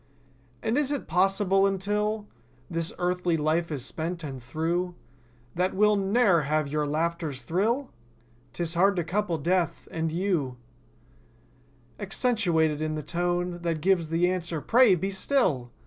And, is it possible, until This earthly life is spent and through. That we'll ne'er have your laughter's thrill?— 'Tis hard to couple death, and you I ^^^« Accentuated is the tone. That gives the answer: "Pray be still!